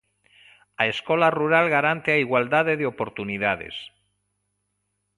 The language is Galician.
A escola rural garante a igualdade de oportunidades.